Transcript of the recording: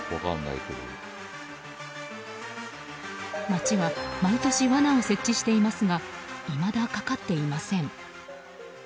町は毎年罠を設置していますがいまだかかっていません。